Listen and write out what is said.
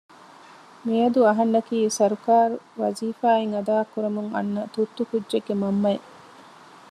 މިއަދު އަހަންނަކީ ސަރުކާރު ވަޒިފާ އެއް އަދާ ކުރަމުން އަންނަ ތުއްތު ކުއްޖެއްގެ މަންމައެއް